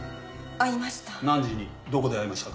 会いました。